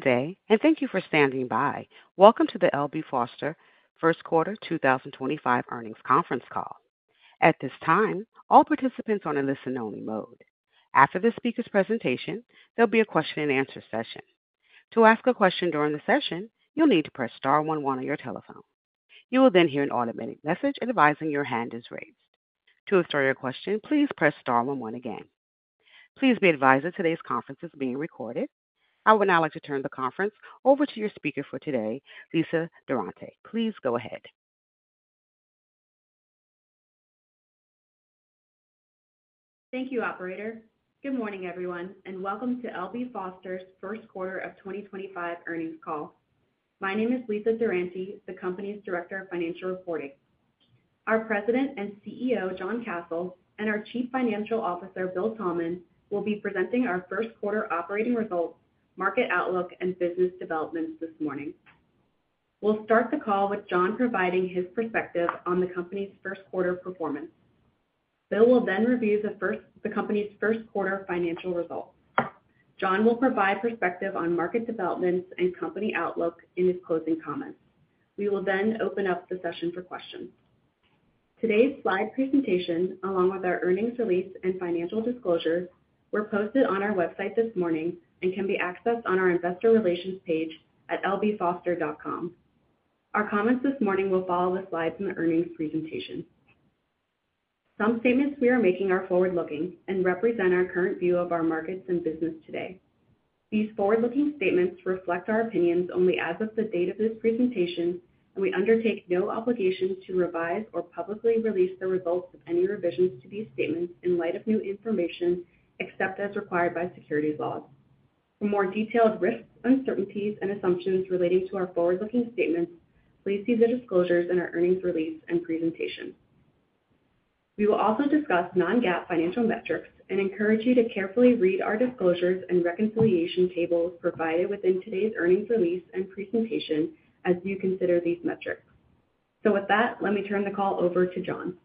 Today, and thank you for standing by. Welcome to the L.B. Foster First Quarter 2025 Earnings Conference Call. At this time, all participants are in listen-only mode. After the speaker's presentation, there'll be a question-and-answer session. To ask a question during the session, you'll need to press star one one on your telephone. You will then hear an automated message advising your hand is raised. To start your question, please press star one one again. Please be advised that today's conference is being recorded. I would now like to turn the conference over to your speaker for today, Lisa Durante. Please go ahead. Thank you, Operator. Good morning, everyone, and welcome to L.B. Foster's First Quarter of 2025 Earnings Call. My name is Lisa Durante, the company's Director of Financial Reporting. Our President and CEO, John Kasel, and our Chief Financial Officer, Bill Thalman, will be presenting our first-quarter operating results, market outlook, and business developments this morning. We'll start the call with John providing his perspective on the company's first-quarter performance. Bill will then review the company's first-quarter financial results. John will provide perspective on market developments and company outlook in his closing comments. We will then open up the session for questions. Today's slide presentation, along with our earnings release and financial disclosure, were posted on our website this morning and can be accessed on our investor relations page at lbfoster.com. Our comments this morning will follow the slides in the earnings presentation. Some statements we are making are forward-looking and represent our current view of our markets and business today. These forward-looking statements reflect our opinions only as of the date of this presentation, and we undertake no obligation to revise or publicly release the results of any revisions to these statements in light of new information except as required by securities laws. For more detailed risks, uncertainties, and assumptions relating to our forward-looking statements, please see the disclosures in our earnings release and presentation. We will also discuss non-GAAP financial metrics and encourage you to carefully read our disclosures and reconciliation tables provided within today's earnings release and presentation as you consider these metrics. With that, let me turn the call over to John.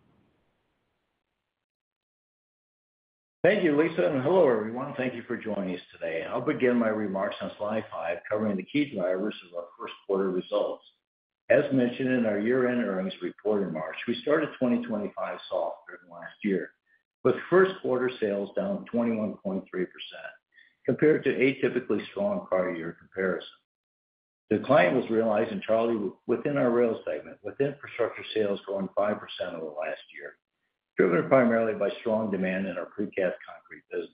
Thank you, Lisa, and hello, everyone. Thank you for joining us today. I'll begin my remarks on slide five covering the key drivers of our first-quarter results. As mentioned in our year-end earnings report in March, we started 2025 softer than last year, with first-quarter sales down 21.3% compared to a typically strong prior-year comparison. The decline was realized entirely within our rail segment with infrastructure sales growing 5% over the last year, driven primarily by strong demand in our Precast Concrete business.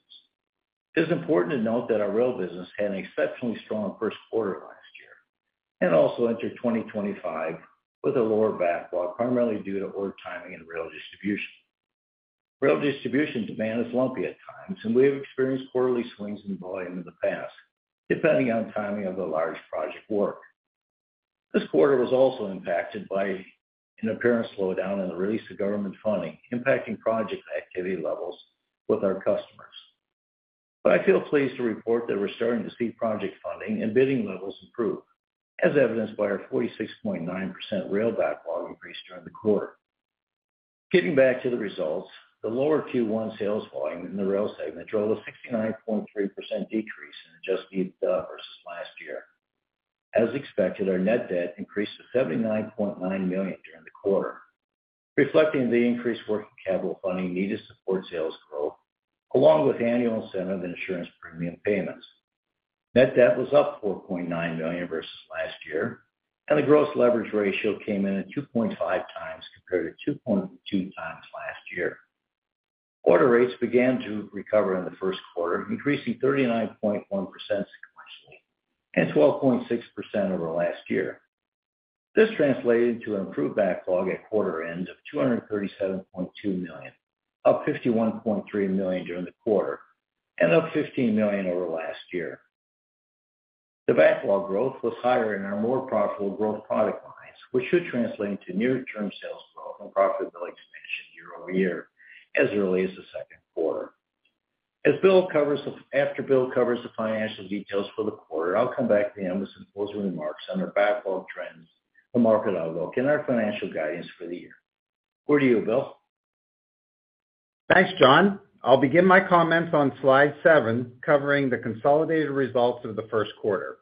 It's important to note that our rail business had an exceptionally strong first quarter last year and also entered 2025 with a lower backlog, primarily due to order timing and Rail Distribution. Rail Distribution demand is lumpy at times, and we have experienced quarterly swings in volume in the past, depending on timing of the large project work. This quarter was also impacted by an apparent slowdown in the release of government funding, impacting project activity levels with our customers. I feel pleased to report that we're starting to see project funding and bidding levels improve, as evidenced by our 46.9% rail backlog increase during the quarter. Getting back to the results, the lower Q1 sales volume in the rail segment drove a 69.3% decrease in adjusted EBITDA versus last year. As expected, our net debt increased to $79.9 million during the quarter, reflecting the increased working capital funding needed to support sales growth, along with annual incentive and insurance premium payments. Net debt was up $4.9 million versus last year, and the gross leverage ratio came in at 2.5x compared to 2.2x last year. Quarter rates began to recover in the first quarter, increasing 39.1% sequentially and 12.6% over last year. This translated into an improved backlog at quarter end of $237.2 million, up $51.3 million during the quarter, and up $15 million over last year. The backlog growth was higher in our more profitable growth product lines, which should translate into near-term sales growth and profitability expansion year-over-year as early as the second quarter. As Bill covers the financial details for the quarter, I'll come back to him with some closing remarks on our backlog trends, the market outlook, and our financial guidance for the year. Over to you, Bill. Thanks, John. I'll begin my comments on slide seven, covering the consolidated results of the first quarter.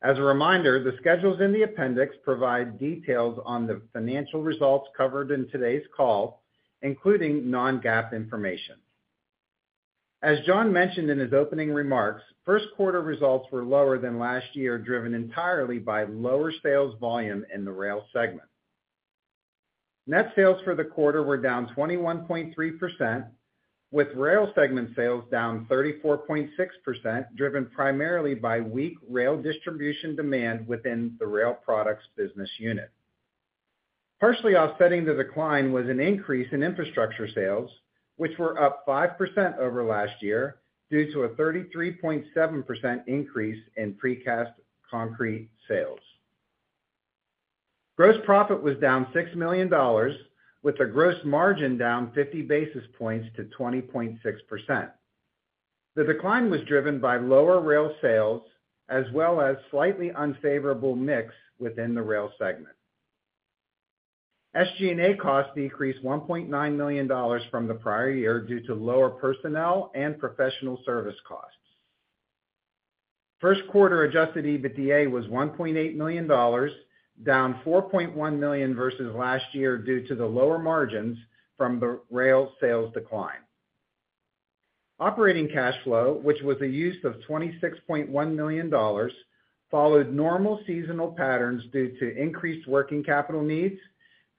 As a reminder, the schedules in the appendix provide details on the financial results covered in today's call, including non-GAAP information. As John mentioned in his opening remarks, first-quarter results were lower than last year, driven entirely by lower sales volume in the rail segment. Net sales for the quarter were down 21.3%, with rail segment sales down 34.6%, driven primarily by weak Rail Distribution demand within the Rail Products business unit. Partially offsetting the decline was an increase in infrastructure sales, which were up 5% over last year due to a 33.7% increase in Precast Concrete sales. Gross profit was down $6 million, with the gross margin down 50 basis points to 20.6%. The decline was driven by lower rail sales as well as slightly unfavorable mix within the rail segment. SG&A costs decreased $1.9 million from the prior year due to lower personnel and professional service costs. First quarter adjusted EBITDA was $1.8 million, down $4.1 million versus last year due to the lower margins from the rail sales decline. Operating cash flow, which was the use of $26.1 million, followed normal seasonal patterns due to increased working capital needs,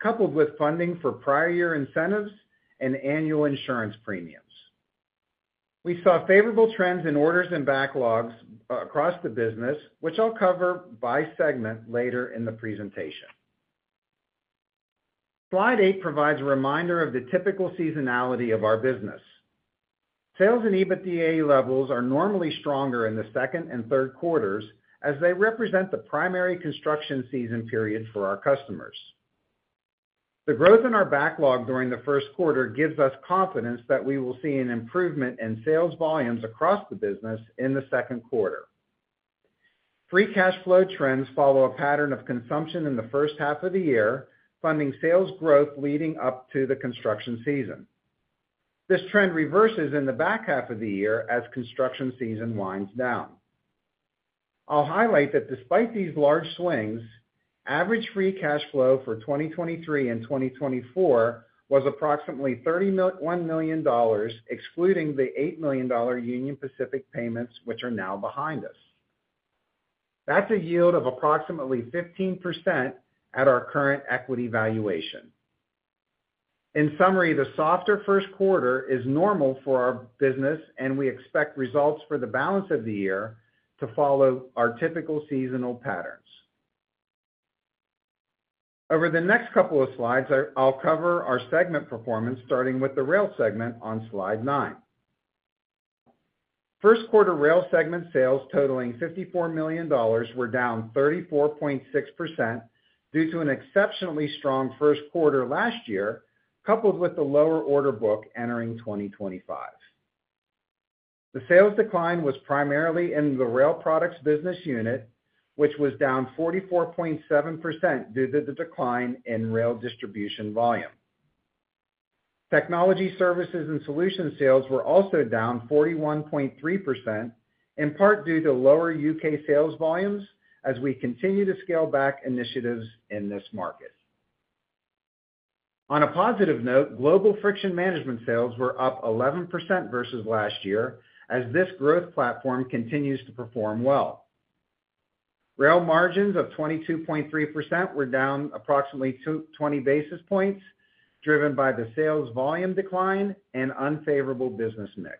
coupled with funding for prior-year incentives and annual insurance premiums. We saw favorable trends in orders and backlogs across the business, which I'll cover by segment later in the presentation. Slide eight provides a reminder of the typical seasonality of our business. Sales and EBITDA levels are normally stronger in the second and third quarters, as they represent the primary construction season period for our customers. The growth in our backlog during the first quarter gives us confidence that we will see an improvement in sales volumes across the business in the second quarter. Free cash flow trends follow a pattern of consumption in the first half of the year, funding sales growth leading up to the construction season. This trend reverses in the back half of the year as construction season winds down. I'll highlight that despite these large swings, average free cash flow for 2023 and 2024 was approximately $31 million, excluding the $8 million Union Pacific payments, which are now behind us. That's a yield of approximately 15% at our current equity valuation. In summary, the softer first quarter is normal for our business, and we expect results for the balance of the year to follow our typical seasonal patterns. Over the next couple of slides, I'll cover our segment performance, starting with the rail segment on slide nine. First quarter rail segment sales totaling $54 million were down 34.6% due to an exceptionally strong first quarter last year, coupled with the lower order book entering 2025. The sales decline was primarily in the Rail Products business unit, which was down 44.7% due to the decline in Rail Distribution volume. Technology Services and Solutions sales were also down 41.3%, in part due to lower U.K. sales volumes as we continue to scale back initiatives in this market. On a positive note, global Friction Management sales were up 11% versus last year, as this growth platform continues to perform well. Rail margins of 22.3% were down approximately 20 basis points, driven by the sales volume decline and unfavorable business mix.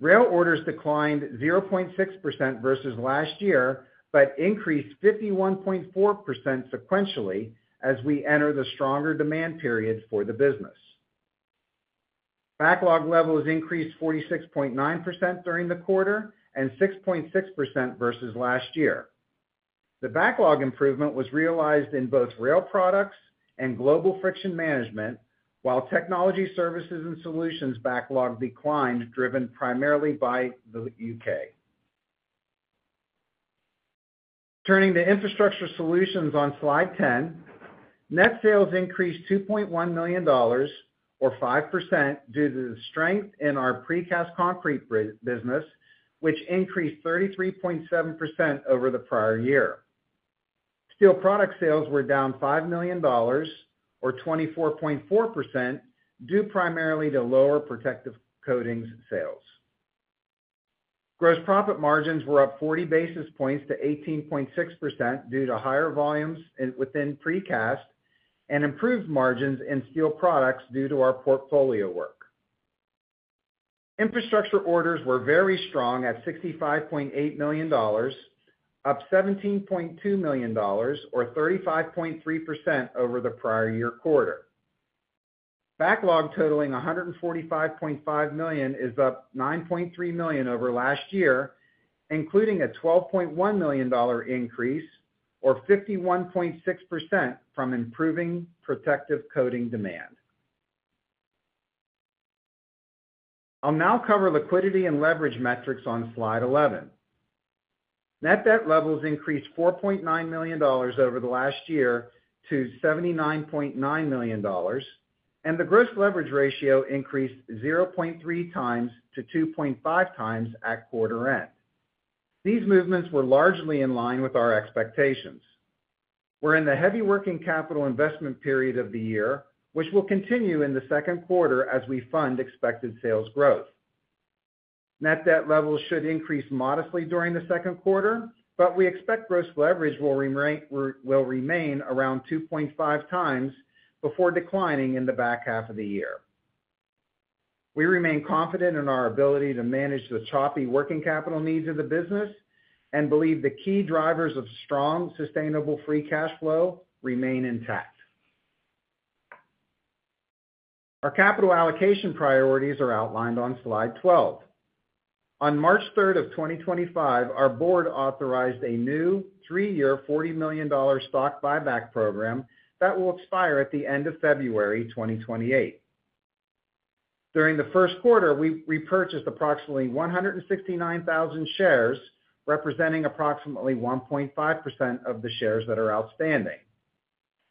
Rail orders declined 0.6% versus last year, but increased 51.4% sequentially as we enter the stronger demand period for the business. Backlog levels increased 46.9% during the quarter and 6.6% versus last year. The backlog improvement was realized in both Rail Products and global Friction Management, while Technology Services and Solutions backlog declined, driven primarily by the U.K. Turning to infrastructure solutions on slide 10, net sales increased $2.1 million, or 5%, due to the strength in our Precast Concrete business, which increased 33.7% over the prior year. Steel product sales were down $5 million, or 24.4%, due primarily to lower Protective Coatings sales. Gross profit margins were up 40 basis points to 18.6% due to higher volumes within precast and improved margins in steel products due to our portfolio work. Infrastructure orders were very strong at $65.8 million, up $17.2 million, or 35.3% over the prior year quarter. Backlog totaling $145.5 million is up $9.3 million over last year, including a $12.1 million increase, or 51.6%, from improving protective coating demand. I'll now cover liquidity and leverage metrics on slide 11. Net debt levels increased $4.9 million over the last year to $79.9 million, and the gross leverage ratio increased 0.3x to 2.5x at quarter end. These movements were largely in line with our expectations. We're in the heavy working capital investment period of the year, which will continue in the second quarter as we fund expected sales growth. Net debt levels should increase modestly during the second quarter, but we expect gross leverage will remain around 2.5x before declining in the back half of the year. We remain confident in our ability to manage the choppy working capital needs of the business and believe the key drivers of strong, sustainable free cash flow remain intact. Our capital allocation priorities are outlined on slide 12. On March 3 of 2025, our board authorized a new three-year $40 million stock buyback program that will expire at the end of February 2028. During the first quarter, we repurchased approximately 169,000 shares, representing approximately 1.5% of the shares that are outstanding.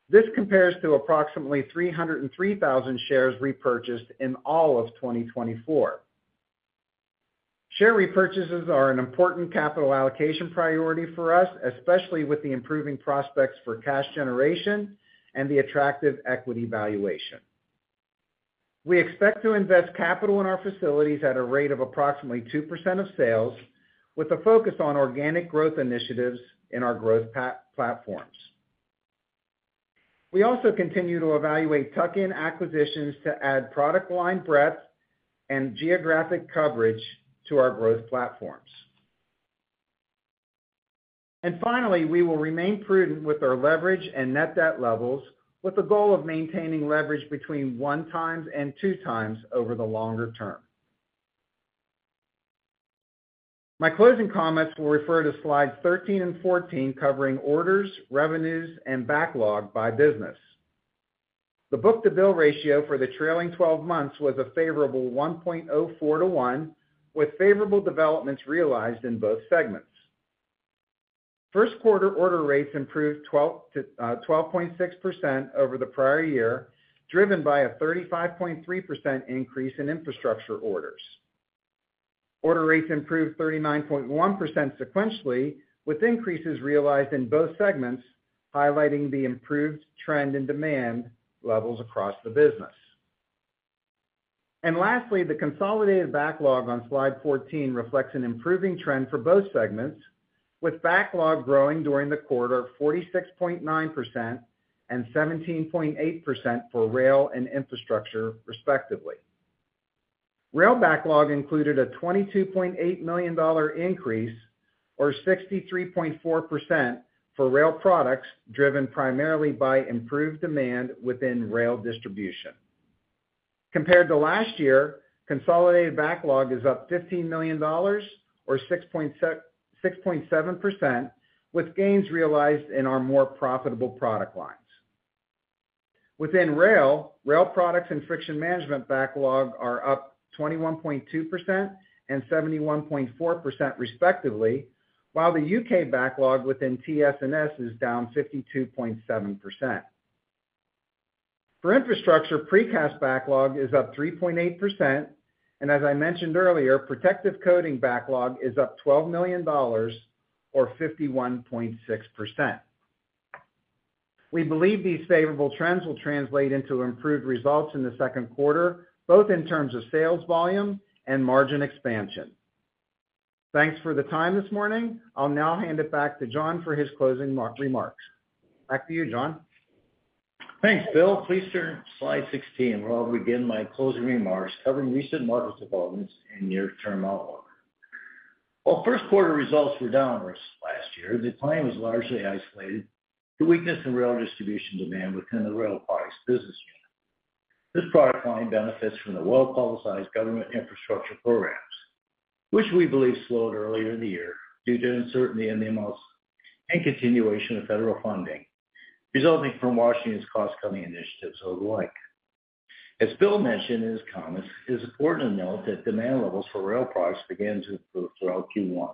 This compares to approximately 303,000 shares repurchased in all of 2024. Share repurchases are an important capital allocation priority for us, especially with the improving prospects for cash generation and the attractive equity valuation. We expect to invest capital in our facilities at a rate of approximately 2% of sales, with a focus on organic growth initiatives in our growth platforms. We also continue to evaluate tuck-in acquisitions to add product line breadth and geographic coverage to our growth platforms. Finally, we will remain prudent with our leverage and net debt levels, with the goal of maintaining leverage between 1x and 2x over the longer term. My closing comments will refer to slides 13 and 14, covering orders, revenues, and backlog by business. The book-to-bill ratio for the trailing 12 months was a favorable 1.04-1, with favorable developments realized in both segments. First quarter order rates improved 12.6% over the prior year, driven by a 35.3% increase in infrastructure orders. Order rates improved 39.1% sequentially, with increases realized in both segments, highlighting the improved trend in demand levels across the business. Lastly, the consolidated backlog on slide 14 reflects an improving trend for both segments, with backlog growing during the quarter of 46.9% and 17.8% for rail and infrastructure, respectively. Rail backlog included a $22.8 million increase, or 63.4%, for Rail Products, driven primarily by improved demand within Rail Distribution. Compared to last year, consolidated backlog is up $15 million, or 6.7%, with gains realized in our more profitable product lines. Within rail, Rail Products and Friction Management backlog are up 21.2% and 71.4%, respectively, while the U.K. backlog within TS&S is down 52.7%. For infrastructure, precast backlog is up 3.8%, and as I mentioned earlier, protective coating backlog is up $12 million, or 51.6%. We believe these favorable trends will translate into improved results in the second quarter, both in terms of sales volume and margin expansion. Thanks for the time this morning. I'll now hand it back to John for his closing remarks. Back to you, John. Thanks, Bill. Please turn to slide 16, where I'll begin my closing remarks, covering recent market developments and near-term outlook. While first quarter results were down versus last year, the decline was largely isolated to weakness in Rail Distribution demand within the Rail Products business unit. This product line benefits from the well-publicized government infrastructure programs, which we believe slowed earlier in the year due to uncertainty in the amounts and continuation of federal funding resulting from Washington's cost-cutting initiatives of the like. As Bill mentioned in his comments, it's important to note that demand levels for Rail Products began to improve throughout Q1,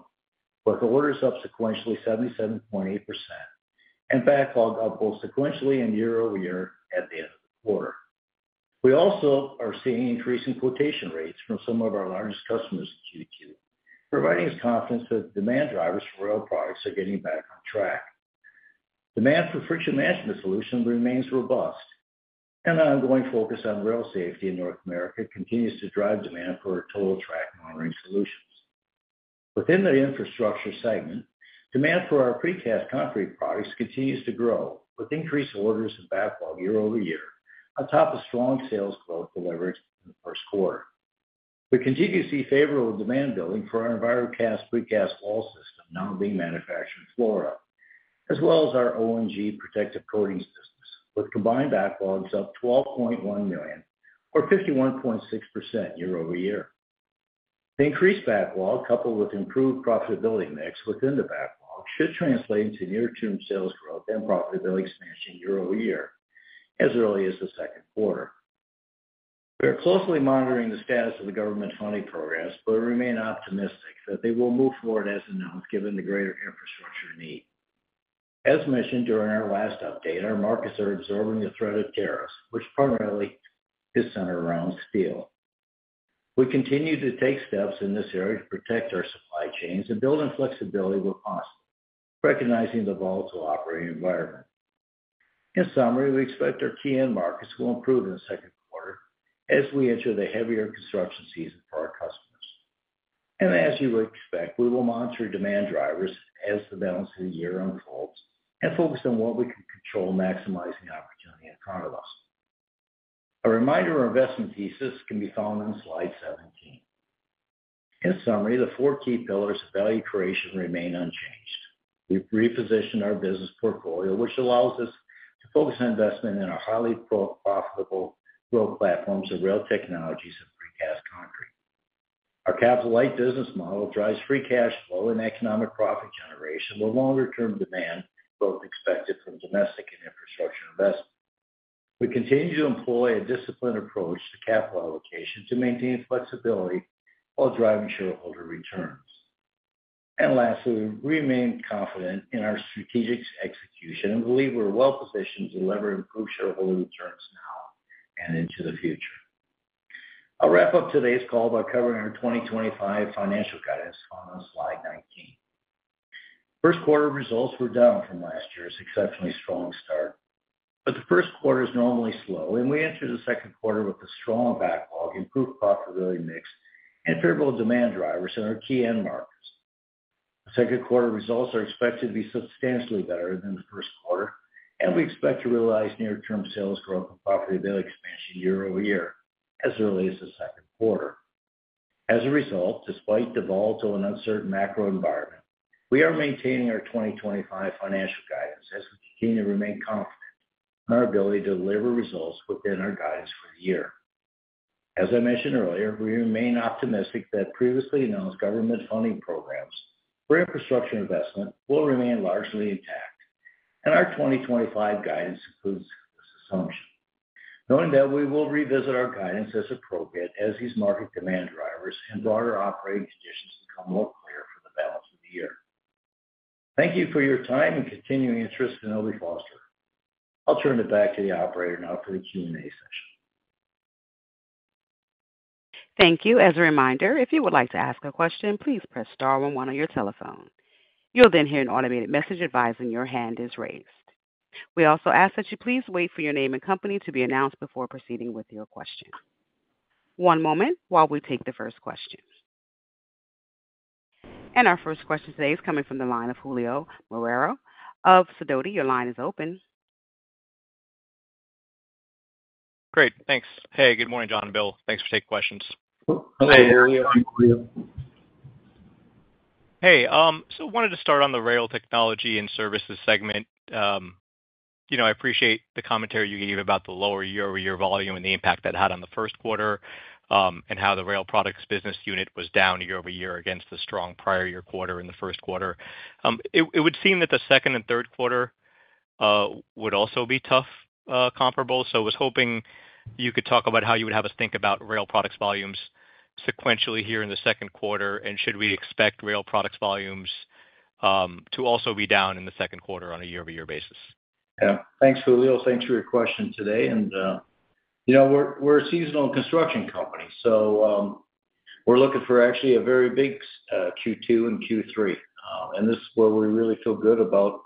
with orders up sequentially 77.8% and backlog up both sequentially and year-over-year at the end of the quarter. We also are seeing increasing quotation rates from some of our largest customers in Q2, providing us confidence that demand drivers for Rail Products are getting back on track. Demand for Friction Management solutions remains robust, and ongoing focus on rail safety in North America continues to drive demand for our Total Track Monitoring solutions. Within the infrastructure segment, demand for our Precast Concrete Products continues to grow, with increased orders and backlog year-over-year on top of strong sales growth delivered in the first quarter. We continue to see favorable demand building for our Enviro-Cast precast wall system now being manufactured in Florida, as well as our Protective Coatings business, with combined backlogs up $12.1 million, or 51.6%, year-over-year. The increased backlog, coupled with improved profitability mix within the backlog, should translate into near-term sales growth and profitability expansion year-over-year, as early as the second quarter. We are closely monitoring the status of the government funding programs, but remain optimistic that they will move forward as announced, given the greater infrastructure need. As mentioned during our last update, our markets are absorbing the threat of tariffs, which primarily is centered around steel. We continue to take steps in this area to protect our supply chains and build in flexibility where possible, recognizing the volatile operating environment. In summary, we expect our key end markets will improve in the second quarter as we enter the heavier construction season for our customers. As you would expect, we will monitor demand drivers as the balance of the year unfolds and focus on what we can control, maximizing opportunity in front of us. A reminder of our investment thesis can be found on slide 17. In summary, the four key pillars of value creation remain unchanged. We have repositioned our business portfolio, which allows us to focus on investment in our highly profitable growth platforms of Rail Technologies and Precast Concrete. Our capital-light business model drives free cash flow and economic profit generation, with longer-term demand both expected from domestic and infrastructure investment. We continue to employ a disciplined approach to capital allocation to maintain flexibility while driving shareholder returns. Lastly, we remain confident in our strategic execution and believe we are well positioned to deliver improved shareholder returns now and into the future. I'll wrap up today's call by covering our 2025 financial guidance on slide 19. First quarter results were down from last year's exceptionally strong start, but the first quarter is normally slow, and we entered the second quarter with a strong backlog, improved profitability mix, and favorable demand drivers in our key end markets. The second quarter results are expected to be substantially better than the first quarter, and we expect to realize near-term sales growth and profitability expansion year-over-year as early as the second quarter. As a result, despite the volatile and uncertain macro environment, we are maintaining our 2025 financial guidance as we continue to remain confident in our ability to deliver results within our guidance for the year. As I mentioned earlier, we remain optimistic that previously announced government funding programs for infrastructure investment will remain largely intact, and our 2025 guidance includes this assumption, knowing that we will revisit our guidance as appropriate as these market demand drivers and broader operating conditions become more clear for the balance of the year. Thank you for your time and continuing interest in L.B. Foster. I'll turn it back to the operator now for the Q&A session. Thank you. As a reminder, if you would like to ask a question, please press star one one on your telephones. You'll then hear an automated message advising your hand is raised. We also ask that you please wait for your name and company to be announced before proceeding with your question. One moment while we take the first question. Our first question today is coming from the line of Julio Romero of Sidoti. Your line is open. Great. Thanks. Hey, good morning, John and Bill. Thanks for taking questions. Hi, how are you? Hey. I wanted to start on the rail technology and services segment. I appreciate the commentary you gave about the lower year-over-year volume and the impact that had on the first quarter and how the Rail Products business unit was down year-over-year against the strong prior year quarter and the first quarter. It would seem that the second and third quarter would also be tough comparables, so I was hoping you could talk about how you would have us think about Rail Products volumes sequentially here in the second quarter, and should we expect Rail Products volumes to also be down in the second quarter on a year-over-year basis? Yeah. Thanks, Julio. Thanks for your question today. We're a seasonal construction company, so we're looking for actually a very big Q2 and Q3. This is where we really feel good about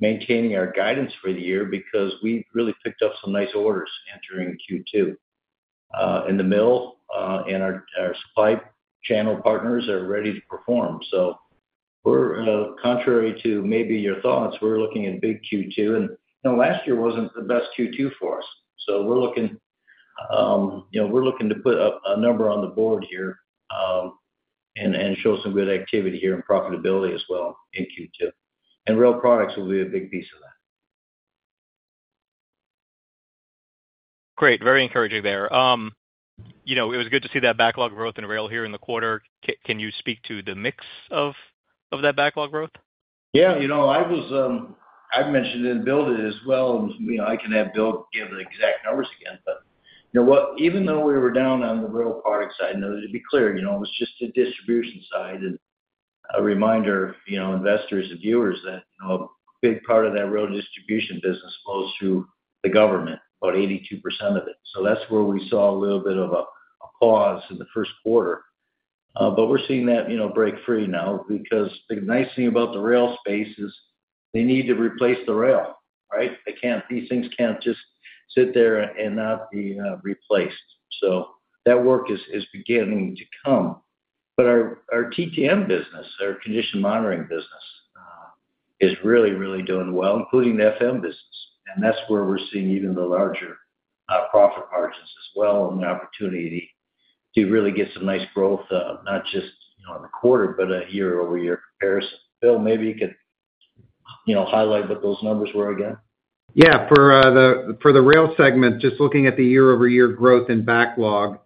maintaining our guidance for the year because we really picked up some nice orders entering Q2. The mill and our supply channel partners are ready to perform. Contrary to maybe your thoughts, we're looking at a big Q2, and last year was not the best Q2 for us. We're looking to put a number on the board here and show some good activity here in profitability as well in Q2. Rail products will be a big piece of that. Great. Very encouraging there. It was good to see that backlog growth in rail here in the quarter. Can you speak to the mix of that backlog growth? Yeah. I mentioned it to Bill as well. I can have Bill give the exact numbers again. Even though we were down on the rail product side, to be clear, it was just the distribution side. A reminder to investors and viewers that a big part of that Rail Distribution business flows through the government, about 82% of it. That is where we saw a little bit of a pause in the first quarter. We are seeing that break free now because the nice thing about the rail space is they need to replace the rail, right? These things cannot just sit there and not be replaced. That work is beginning to come. Our TTM business, our condition monitoring business, is really, really doing well, including the FM business. That is where we are seeing even the larger profit margins as well and the opportunity to really get some nice growth, not just on the quarter, but a year-over-year comparison. Bill, maybe you could highlight what those numbers were again? Yeah. For the rail segment, just looking at the year-over-year growth and backlog,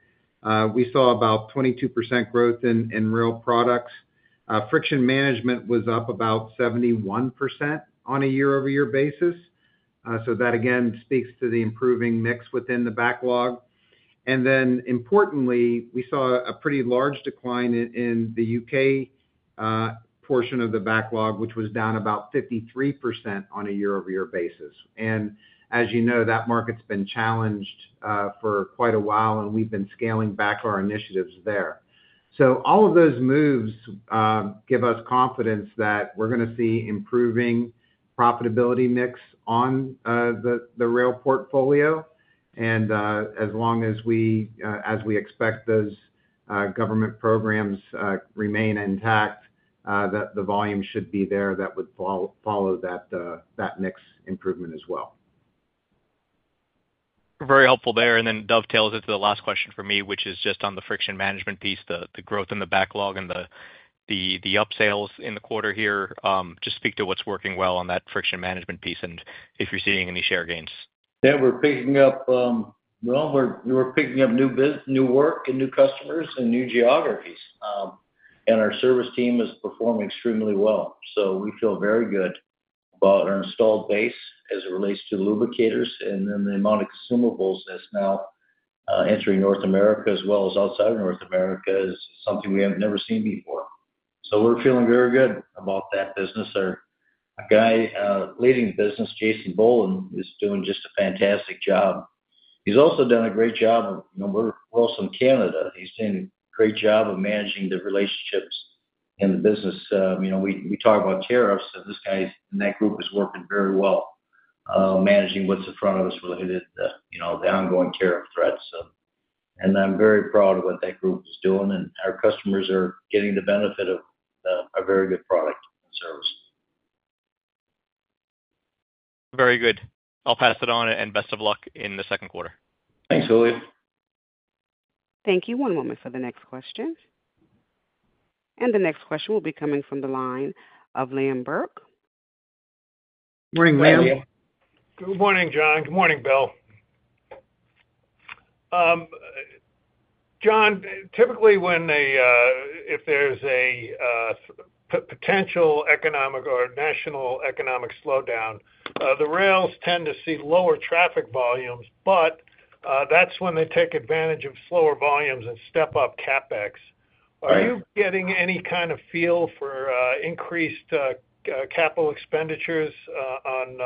we saw about 22% growth in Rail Products. Friction management was up about 71% on a year-over-year basis. That, again, speaks to the improving mix within the backlog. Importantly, we saw a pretty large decline in the U.K. portion of the backlog, which was down about 53% on a year-over-year basis. As you know, that market's been challenged for quite a while, and we've been scaling back our initiatives there. All of those moves give us confidence that we're going to see improving profitability mix on the rail portfolio. As long as we expect those government programs remain intact, the volume should be there that would follow that mix improvement as well. Very helpful there. That dovetails into the last question for me, which is just on the Friction Management piece, the growth in the backlog and the upsales in the quarter here. Just speak to what's working well on that Friction Management piece and if you're seeing any share gains. Yeah. We're picking up new work and new customers and new geographies. Our service team is performing extremely well. We feel very good about our installed base as it relates to lubricators. The amount of consumables that's now entering North America as well as outside of North America is something we have never seen before. We're feeling very good about that business. Our guy leading the business, Jason Bowlin, is doing just a fantastic job. He's also done a great job of—we're also in Canada. He's done a great job of managing the relationships in the business. We talk about tariffs, and this guy in that group is working very well managing what's in front of us related to the ongoing tariff threats. I'm very proud of what that group is doing. Our customers are getting the benefit of a very good product and service. Very good. I'll pass it on, and best of luck in the second quarter. Thanks, Julio. Thank you. One moment for the next question. The next question will be coming from the line of Liam Burke. Morning, Liam. Good morning, John. Good morning, Bill. John, typically when there's a potential economic or national economic slowdown, the rails tend to see lower traffic volumes, but that's when they take advantage of slower volumes and step up CapEx. Are you getting any kind of feel for increased capital expenditures on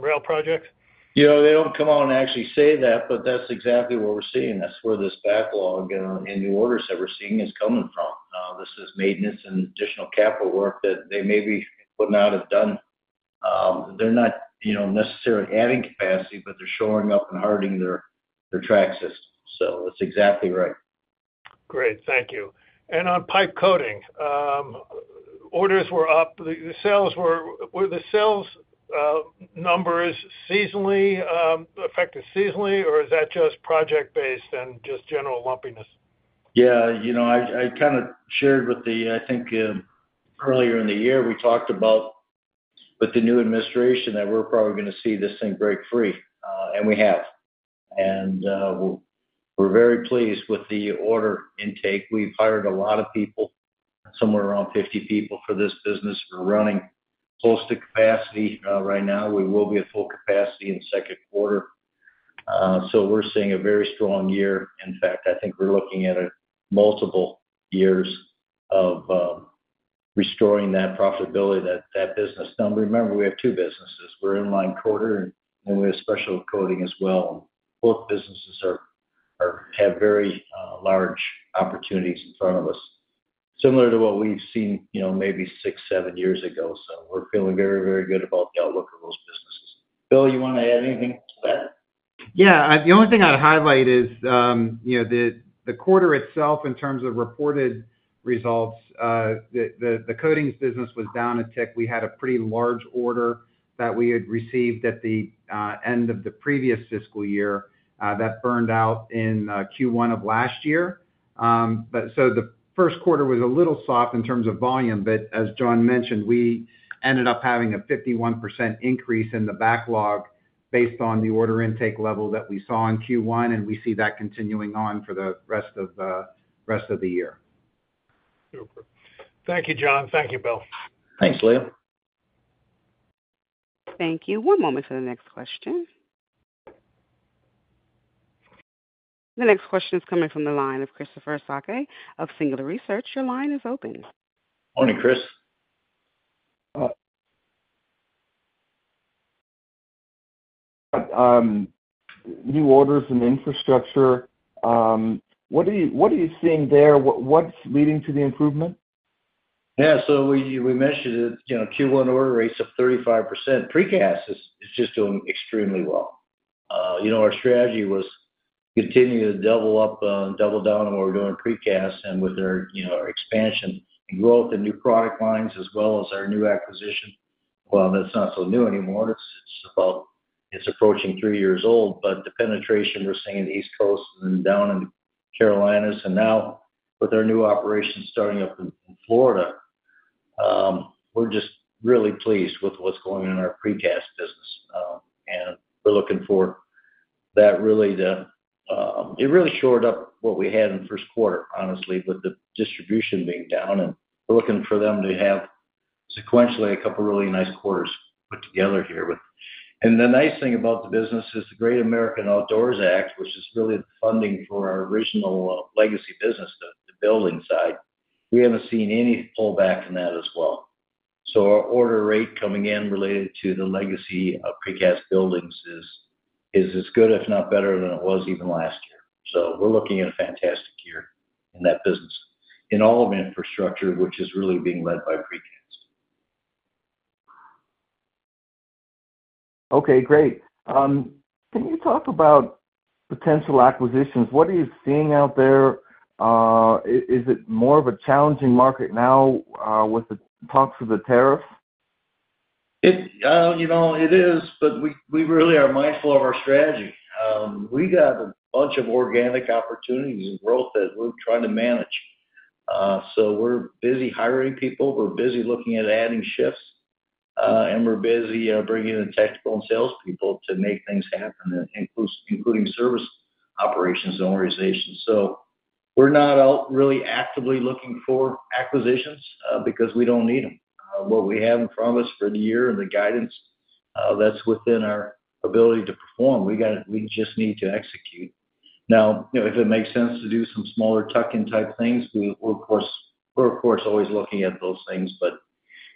rail projects? They don't come out and actually say that, but that's exactly what we're seeing. That's where this backlog and new orders that we're seeing is coming from. This is maintenance and additional capital work that they may be putting out or done. They're not necessarily adding capacity, but they're showing up and hardening their track system. That's exactly right. Great. Thank you. On pipe coating, orders were up. Were the sales numbers affected seasonally, or is that just project-based and just general lumpiness? Yeah. I kind of shared with the, I think, earlier in the year, we talked about with the new administration that we're probably going to see this thing break free, and we have. We are very pleased with the order intake. We've hired a lot of people, somewhere around 50 people for this business. We're running close to capacity right now. We will be at full capacity in the second quarter. We are seeing a very strong year. In fact, I think we're looking at multiple years of restoring that profitability to that business. Now, remember, we have two businesses. We are Line Coater, and then we have special coating as well. Both businesses have very large opportunities in front of us, similar to what we've seen maybe six, seven years ago. We are feeling very, very good about the outlook of those businesses. Bill, you want to add anything to that? Yeah. The only thing I'd highlight is the quarter itself in terms of reported results. The coatings business was down a tick. We had a pretty large order that we had received at the end of the previous fiscal year that burned out in Q1 of last year. The first quarter was a little soft in terms of volume, but as John mentioned, we ended up having a 51% increase in the backlog based on the order intake level that we saw in Q1, and we see that continuing on for the rest of the year. Super. Thank you, John. Thank you, Bill. Thanks, Liam. Thank you. One moment for the next question. The next question is coming from the line of Christopher Sakai of Singular Research. Your line is open. Morning, Chris. New orders and infrastructure. What are you seeing there? What's leading to the improvement? Yeah. We mentioned that Q1 order rates of 35%. Precast is just doing extremely well. Our strategy was to continue to double up and double down on what we're doing in precast. With our expansion and growth and new product lines as well as our new acquisition, well, that's not so new anymore. It's approaching three years old, but the penetration we're seeing in the East Coast and down in the Carolinas. Now, with our new operations starting up in Florida, we're just really pleased with what's going on in our precast business. We're looking for that really to it really shored up what we had in the first quarter, honestly, with the distribution being down. We're looking for them to have sequentially a couple of really nice quarters put together here. The nice thing about the business is the Great American Outdoors Act, which is really the funding for our original legacy business, the building side. We haven't seen any pullback in that as well. Our order rate coming in related to the legacy precast buildings is as good, if not better, than it was even last year. We're looking at a fantastic year in that business, in all of infrastructure, which is really being led by precast. Okay. Great. Can you talk about potential acquisitions? What are you seeing out there? Is it more of a challenging market now with the talks of the tariffs? It is, but we really are mindful of our strategy. We got a bunch of organic opportunities and growth that we're trying to manage. We're busy hiring people. We're busy looking at adding shifts, and we're busy bringing in technical and salespeople to make things happen, including service operations and organizations. We're not really actively looking for acquisitions because we don't need them. What we have in front of us for the year and the guidance, that's within our ability to perform. We just need to execute. Now, if it makes sense to do some smaller tuck-in type things, we're, of course, always looking at those things, but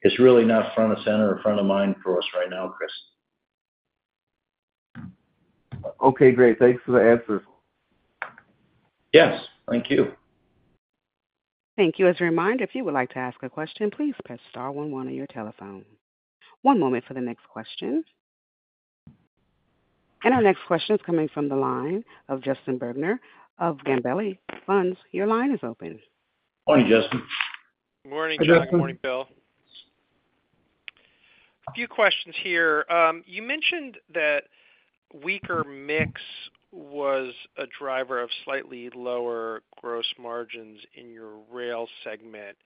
it's really not front of center or front of mind for us right now, Chris. Okay. Great. Thanks for the answers. Yes. Thank you. Thank you. As a reminder, if you would like to ask a question, please press star 11 on your telephone. One moment for the next question. Our next question is coming from the line of Justin Bergner of Gabelli Funds. Your line is open. Morning, Justin. Morning, Justin. Good morning, Bill. A few questions here. You mentioned that weaker mix was a driver of slightly lower gross margins in your rail segment,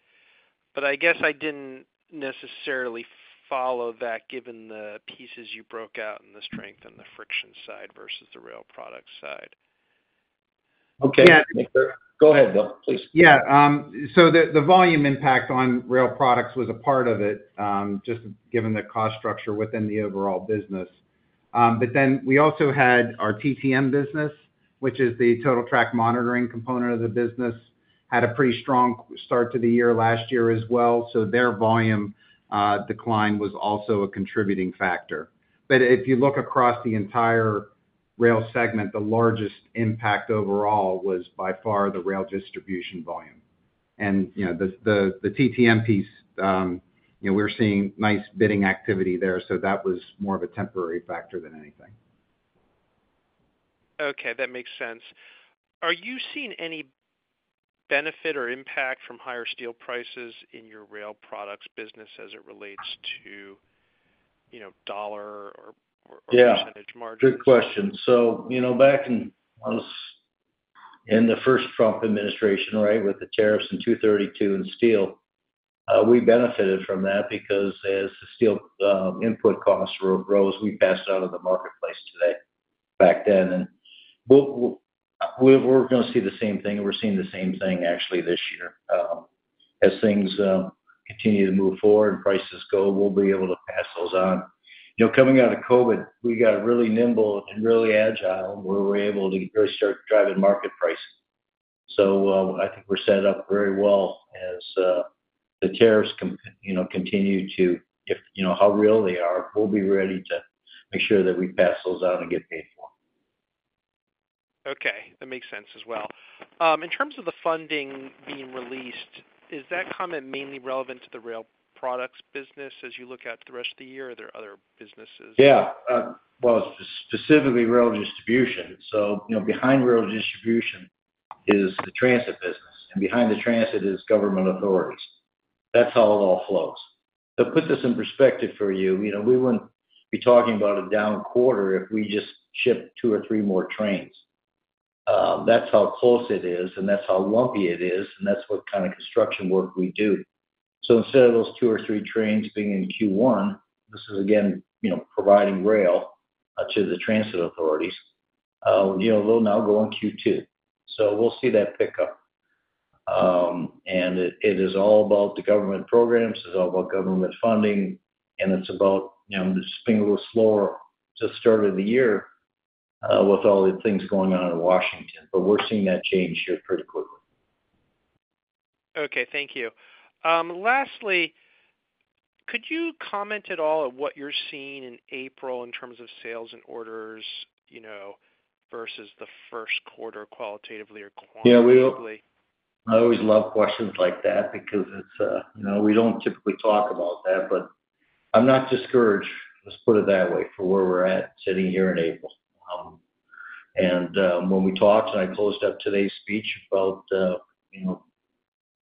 but I guess I did not necessarily follow that given the pieces you broke out in the strength and the friction side versus the rail product side. Okay. Go ahead, Bill, please. Yeah. So the volume impact on Rail Products was a part of it, just given the cost structure within the overall business. But then we also had our TTM business, which is the Total Track Monitoring component of the business, had a pretty strong start to the year last year as well. So their volume decline was also a contributing factor. If you look across the entire rail segment, the largest impact overall was by far the Rail Distribution volume. The TTM piece, we're seeing nice bidding activity there. That was more of a temporary factor than anything. Okay. That makes sense. Are you seeing any benefit or impact from higher steel prices in your Rail Products business as it relates to dollar or percentage margins? Yeah. Good question. Back in the first Trump administration, right, with the tariffs in 232 and steel, we benefited from that because as the steel input costs rose, we passed that out to the marketplace back then. We are going to see the same thing. We are seeing the same thing, actually, this year. As things continue to move forward and prices go, we will be able to pass those on. Coming out of COVID, we got really nimble and really agile where we are able to really start driving market pricing. I think we are set up very well as the tariffs continue to, if how real they are, we will be ready to make sure that we pass those out and get paid for. Okay. That makes sense as well. In terms of the funding being released, is that comment mainly relevant to the Rail Products business as you look out to the rest of the year? Are there other businesses? Yeah. Specifically Rail Distribution. Behind Rail Distribution is the transit business. Behind the transit is government authorities. That is how it all flows. To put this in perspective for you, we would not be talking about a down quarter if we just shipped two or three more trains. That is how close it is, and that is how lumpy it is, and that is what kind of construction work we do. Instead of those two or three trains being in Q1, this is, again, providing rail to the transit authorities, they will now go in Q2. We will see that pick up. It is all about the government programs. It is all about government funding, and it is about spinning a little slower at the start of the year with all the things going on in Washington. We are seeing that change here pretty quickly. Okay. Thank you. Lastly, could you comment at all on what you're seeing in April in terms of sales and orders versus the first quarter qualitatively or quantitatively? Yeah. We always love questions like that because we do not typically talk about that, but I am not discouraged, let us put it that way, for where we are at sitting here in April. And when we talked and I closed up today's speech about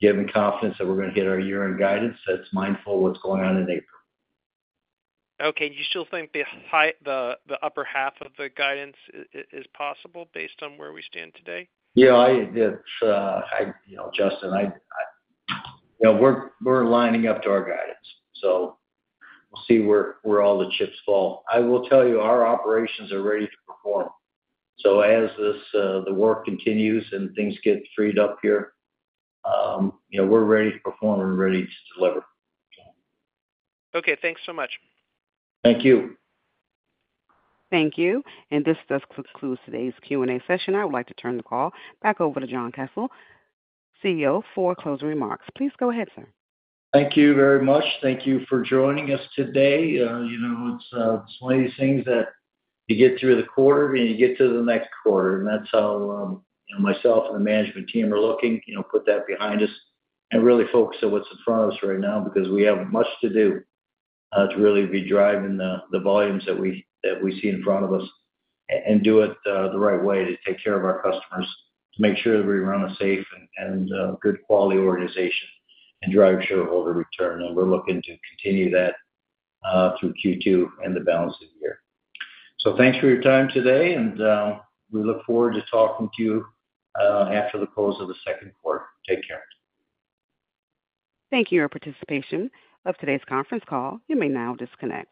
giving confidence that we are going to hit our year-end guidance, that is mindful of what is going on in April. Okay. You still think the upper half of the guidance is possible based on where we stand today? Yeah. Justin, we're lining up to our guidance. We'll see where all the chips fall. I will tell you, our operations are ready to perform. As the work continues and things get freed up here, we're ready to perform and ready to deliver. Okay. Thanks so much. Thank you. Thank you. This does conclude today's Q&A session. I would like to turn the call back over to John Kasel, CEO, for closing remarks. Please go ahead, sir. Thank you very much. Thank you for joining us today. It's one of these things that you get through the quarter and you get to the next quarter. That's how myself and the management team are looking. Put that behind us and really focus on what's in front of us right now because we have much to do to really be driving the volumes that we see in front of us and do it the right way to take care of our customers, to make sure that we run a safe and good quality organization and drive sure of the return. We're looking to continue that through Q2 and the balance of the year. Thanks for your time today, and we look forward to talking to you after the close of the second quarter. Take care. Thank you for your participation in today's conference call. You may now disconnect.